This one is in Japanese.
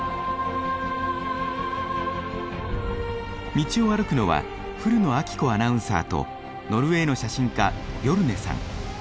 道を歩くのは古野晶子アナウンサーとノルウェーの写真家ビョルネさん。